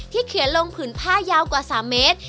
เขียนลงผืนผ้ายาวกว่า๓เมตร